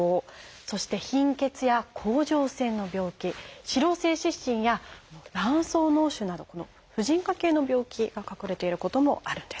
そして「貧血」や「甲状腺の病気」「脂漏性湿疹」や「卵巣のう腫」など婦人科系の病気が隠れていることもあるんです。